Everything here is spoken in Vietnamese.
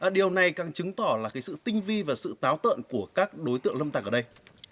điều này càng chứng tỏ là sự tinh vi và sự táo tợn của các đối tượng lâm tặc ở đây